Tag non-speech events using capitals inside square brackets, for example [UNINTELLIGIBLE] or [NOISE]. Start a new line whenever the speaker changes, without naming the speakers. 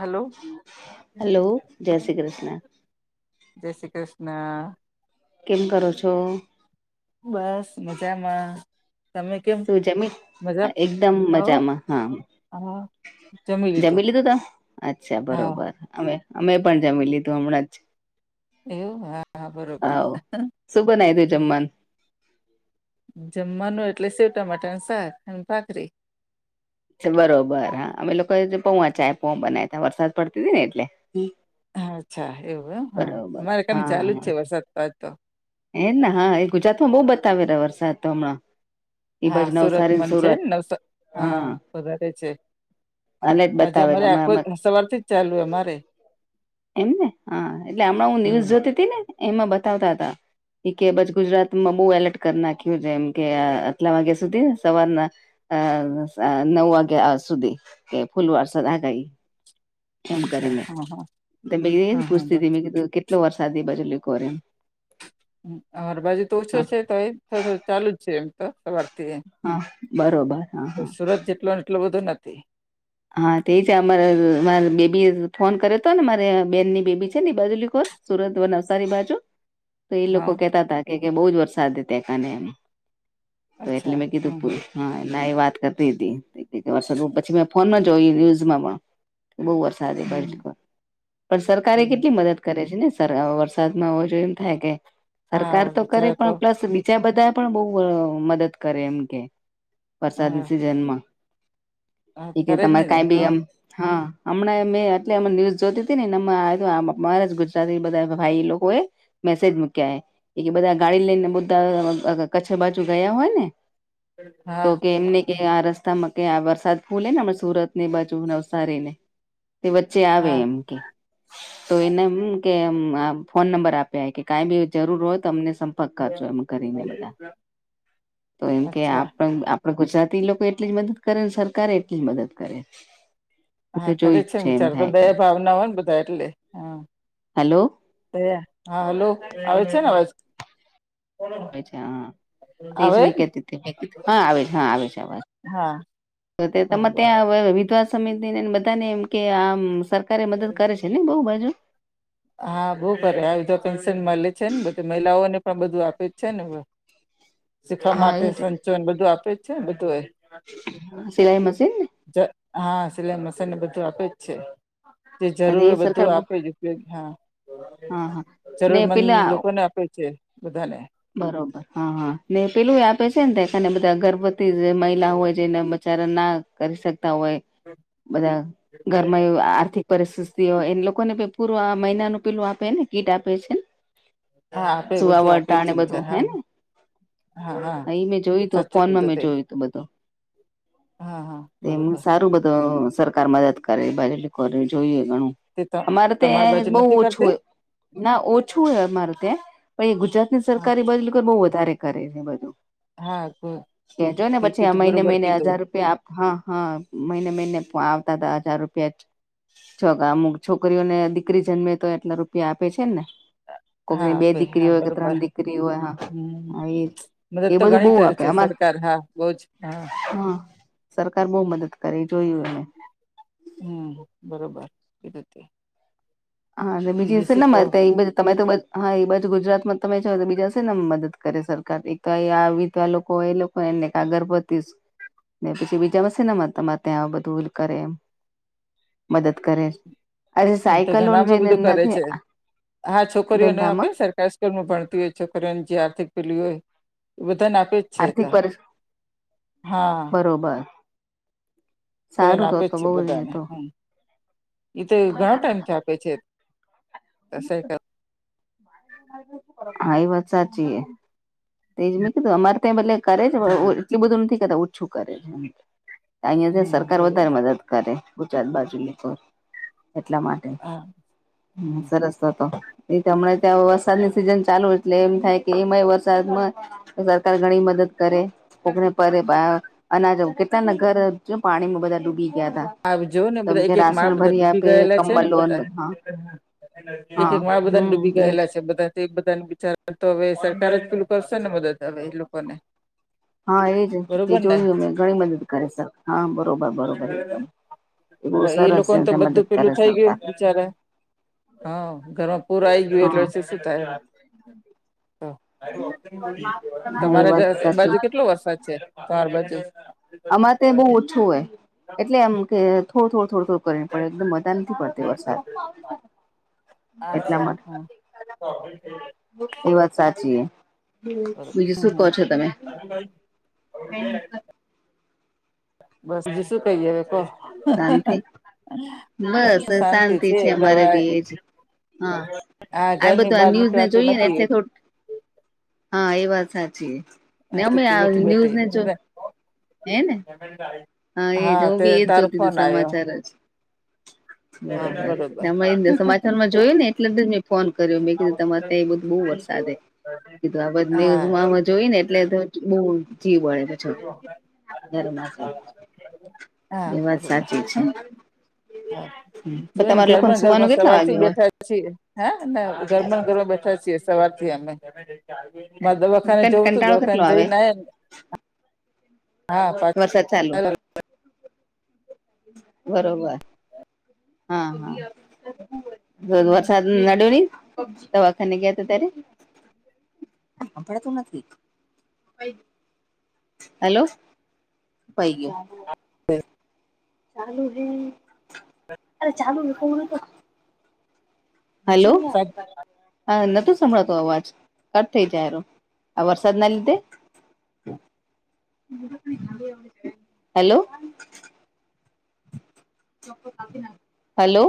Hello
hello. જય શ્રી કૃષ્ણ.
જય શ્રી કૃષ્ણ.
કેમ કરો છો?
બસ મજામાં. તમે કેમ
તું જમી.
મજા
એકદમ
હ
મજામાં, હા.
હા
જમી લીધું તો અચ્છા
હા
બરોબર. અમે, અમે પણ જમી લીધું હમણાં જ.
એવું? હા. હા
હ,
બરોબર
શું બનાવ્યું જમવાનું?
જમવાનું એટલે સેવટામેટાનું શાક અને ભાખરી.
બરોબર. હા, અમે લોકો પોવા ચાય, પોવા બનાવ્યા ત વરસાદ પડતી હતી ને એટલે.
હ અચ્છા. એવું હમ હા,
બરોબર
અમારે ખાને ચાલુ જ છે વરસાદ પડતો.
એમને હા, એ ગુજરાતમાં બહુ બતાવેલા વરસાદ તો હમણાં. એ
હા,
બાજ
સુરત
નવસારી
મન છે
સુરત
ને નવસ હા, વધારે છે.
અલે જ
આજે
બતાવે છે
અમારે આખો
અમે
સવારથી જ ચાલુ અમારે
એમને હા. એટલે હમણાં હું, ન્યુઝ
હમ
જોતી હતી ને એમાં બતાવતા હતા. એ કે બાજુ ગુજરાતમાં બહુ એલર્ટ કરી નાખ્યું છે એમ કે આટલા વાગ્યા સુધી સવારના અ નવ વાગ્યા સુધી કે ફૂલ વારસા ધગાઈ.
અચ્છા. હા હા.
તે મે એજ
હા હા બ
પૂછતી હતી મે કીધું, કેટલો વરસાદ તે બાજુ બી પડે એમ.
અમારે બાજુ તો ઓછો
હા
છે તોયે થોડો, થોડો ચાલુ જ છે. એમ તો સવારથી
હા, બરોબર. હા હા
સુરત જેટલોને એટલો બધો નથી.
હા, તે જ અમારે બેબીએ ફોન કર્યો હતો ને મારે બેનની બેબી છે ને બજુલીખોર. સુરત, નવસારી બાજુ તો એ લોકો
હા
કેહેતા હતા કે બહુ જ વરસાદ ત્યા કને એમ તો એટલે
અચ્છા
મેં કીધું
હમ
પુલ
હમ
હા, ના એ વાત કરતી હતી વરસાદ બહુ પછી મેં ફોનમાં જોય, ન્યુઝમાં પણ બહુ વરસાદ એ
હમ
બાજુ પણ સરકારે
હમ
કેટલી મદદ- કરે છે ને વરસાદમાં જો એમ થાય કે સરકાર
હા
તો કરે
બિચારા
પણ પ્લસ ત્યાં બધાએ પણ બહુ મદદ કરે એમ કે
હા
વરસાદની સિઝનમાં
હા
એ કે
કરે જ ને
તમારે કઈ બી
હા
એમ હા હમણાં મેં એટલે ન્યૂઝ જોતી હતી નેને આવ અરા ગુજરાતી બધા ભાઈ લોકો એ. મેસેજ મૂક્યા એ બધા ગાડી લઈને બધા કચ્છ બાજુ ગયા હોય ને તો
હા
કે એમને કે આ રસ્તામાં ક્યાંય આવા નુ નથી ફૂલે ને હમણે સુરત ને બાજુ નવસારી ને વચ્ચે આવે
હા
એમ કે તો એને એમ કે આ ફોન નંબર આપ્યા કે કાઈ બી જરૂર હોય તો અમને સંપર્ક કરજો એમ કરીને બધા તો એમ કે
અચ્છા
આપ પણ ગુજરાતી લોકો એટલી જ મદદ કરે ને સરકારે એટલી જ મદદ કરે એ તો
હા ખરે
જોઈ જ
છે,
એમ
વિચાર તો
થાય કે
દયા ભાવના હોય ને બધા એટલે હા
હલો
દયા હા હેલો આવે છે, ને અવાજ
હોય છે હં તે જ
આવે
વી કેતી હા આવે હા આવે છે અવાજ.
હા.
તો તમે
બરોબર
ત્યાં વિધ્વા સમિતિ ને બધાને એમ કે આમ સરકારે મદદ કરે છે, ને બહુ બાજુ
હા બો કરે આ બધા પેન્શન મલે છે, ને બધે મહિલાઓને પણ બધું આપે જ છે, ને શીખવા માટે સંચો ને બધું આપે છે, બધું એ
સિલાઈ મશીન
જ હા સિલાઈ મશીન ને બધું આપે જ છે, જે
ને
જરૂર એ બધું
સરકાર
આપે જ
હા હા ને
જરૂર મંદ
પેલા
લોકોને આપે છે, બધાને
બરોબર હા હા ને પેલું આપે છે, ને બધા ગર્ભવતી મહિલા હોય જેને ઉચચાર ના કરી શકતા હોય બધા ઘરમાં એવ આર્થિક પરિસ્થિતિ હોય એ લોકોને ભી પૂરું આ મહિનાનું પેલું આપે ને કીટ આપે છે, ને
હા આપે બધુ આપે
સુવાવટા
છે,
અને બધું
વિચાર
હે
હા હા હા
ને એ મેં જોયું તું
સાચું
ફોનમાં
કીધું
મેં
તે
જોયું તું
હા હા બ
એમનુ સારું બધું સરકાર મદદ કરે એ બાજુ જોઈએ ઘણું
તે ત
અમારે
તમારી
ત્યા
બાજુ
બોવ
નથી
ઓછું
કરતી
હોય ના ઓછું હે અમારે ત્યાં પણ એ ગુજા
હા
સરકારી બાજલ કર બહુ વધારે કરે છે બધું.
હા,
કેજો ને
તે
પછી આ
કીધું
મહિને
બરોબર
મહિને
કીધું
હજાર રૂપિયા આ હા હા મહિને મહિને આવતા તા હજાર રૂપિયા જ છો અમુક છોકરીઓને દીકરી જન્મે તો એટલા રૂપિયા આપે છે, ને
હા
કોઈકને બે
આપે
દીકરી
હા
હોય
બરોબર
ત્રણ દીકરી હોય
હમ
હા એ એ
મદદ તો
બધું
ઘણી
બો
કરે
આપે
છે
અમારે
સરકાર હા બહુ જ હા
હ સરકાર બો મદદ કરે જોયું અમે
હમ બરોબર એ [UNINTELLIGIBLE]
હા બીજી હશે ને
કહો
ત બધ તમે તો બ હા એ બાજુ ગુજરાતમાં તમે જાવ તો બીજા શેને મદદ કરે સરકાર એક તો આવિધવા લોકો એ લો એને કાગરપતીજ ને પછી બીજામા શેનામા તમારે ત્યાં બધું કરે મદદ કરે અરે સાઈ
ધનામાં બધું કરે છે, હા છોકરીઓને આપે
ધંધામાં
સરકારી સ્કૂલમાં ભણતી હોય છોકરીઓને જે આર્થિક પેલી હોય એ બધાને આપે છે,
આર્થિક
તા હા
રોબર.
કરીને આપે જ છે,
બહુ એ
બધાને
તો
હમ ઈ તો ઘણા ટાઈમથી આપે છે. [INAUDIBLE]
હા એ વાત સાચી હે તેજ મેં કીધું અમારે ત્યાં બદલે કરે છે,
હમ
એટલું બધું નથી કરતા ઓછું કરે છે. અહીયાં જે
હમ
સરકાર વધારે
બરોબર
મદદ કરે ગુજરાત બાજુ [UNINTELLIGIBLE] એટલા મા ટે
હા
હમ સરસ [UNINTELLIGIBLE] ત્યાં વરસાદની સિઝન ચાલુ એટલે એમ થાય કે એમાંય વરસાદમાં તો સરકાર ઘણી મદદ કરે પોકને પરે પા અનાજ કેટલા ના ઘર પાણીમાં બધા જો ડૂબી ગયા તા
આવ જો ને બધા એક એક માળ બધા ડૂબી ગયેલા છે, ને બધા એક
હા
એક માળ બધા
હમ
ડૂબી
એજ
ગયેલા છે, બધા તે બધાને બિચાર તો હવે સરકાર જ પેલું કરશે ને મદદ હવે એ લોકોને
હા, એ જ એ
બરોબર ને
જોયું અમે ઘણી મદદ કરે સર હા બરોબર બરોબર એકદમ બહુ
હવે એ
સરસ
લોકોને તો
છે મદદ
બધું પેલું
કરે
થઈ ગયું
સરકાર
બિચારા હા, ઘરમાં પૂર આઈ ગયું
હા
એટલેછ શું થાય
હા એ
તમારે ઘ
વાત સાચી
બાજુ કેટલો વરસાદ છે, તમાર બાજુ
આમારે તો બહુ ઓછુ હોય, એટલે એમ કે થોડું થોડુ થોડુ થોડુ પર પડે એકદમ વધાર નથી પડતી વરસાદ એટલા
અચ્છા
માટે
હા બ
એ વાત સાચી બીજું શું કહો છો, તમે
હ ભાઈ
એ
બસ બી શું કહી હ કોહ
શાંતિ બસ શાંતિ છે, અમારે બી એજ હા
હા
આ
ઘરની
બધું
બહાર
ન્યૂઝ ને
નીકળાતું
જોઈએ ને
નથી
એટલે થોડુ હા એ વાત સાચી ને
હા,
અમે
બેઠી
ન્યૂઝ
બેઠી
ને જો હે ને એજ
હા
હું
તે
બી
તારો ફોન આવ્યો
હ બરોબર તમે સમાચારમાં જોયુ, ને એટલે ત મેં ફોન કર્યો મેં કીધું તરે ત્યાં એ બધું બહુ વરસાદે એ તો આ બધ
હા
ન્યુઝમાં જોય, ને એટલે તો બહ જજીવ બળે ઘરમાં છે.
હા બરોબર
છે
જોઈને
તમારા લોકોને
ઘરમાં
સુવાનું
ઘરમાં
કેટલા
સવાર થી
વાગે હોય
બેઠા પછી હા ના ઘરમાં ઘરમાં બેઠા છીએ, સવારથી અમે દવાખાને જવું તું
કંટાળો કેટલો
દવાખાને
આવે
જઈને હા પ
વરસાદ ચાલુ બરોબર હા હા વરસાદ નડ્યો નહીં દવાખાને ગયા હતા, ત્યારે સંભળાતું નથી. હેલો કપાઈ ગયો. ચાલુ હે અરે ચાલુ હ કોનુ તો હલો હા નથી સંભળાતો અવાજ કટ થઈ જાય, આ વરસાદ ના લીધે હેલો હલો